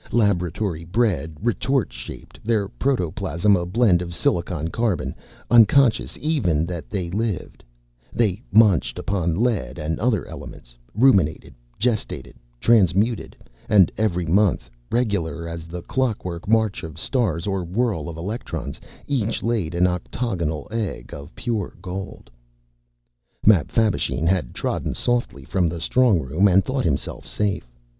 Laboratory bred, retort shaped, their protoplasm a blend of silicon carbon, unconscious even that they lived, they munched upon lead and other elements, ruminated, gestated, transmuted, and every month, regular as the clockwork march of stars or whirl of electrons, each laid an octagonal egg of pure gold. Mapfabvisheen had trodden softly from the strongroom and thought himself safe.